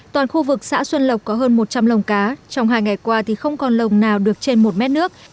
toàn khu vực xã xuân lộc có hơn một trăm linh lồng cá trong hai ngày qua thì không còn lồng nào được trên một mét nước